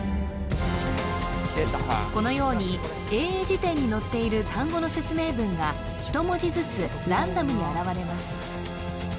このように英英辞典に載っている単語の説明文が１文字ずつランダムに現れます